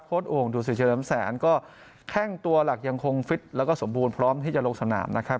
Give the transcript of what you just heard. โอ่งดูสิเฉลิมแสนก็แข้งตัวหลักยังคงฟิตแล้วก็สมบูรณ์พร้อมที่จะลงสนามนะครับ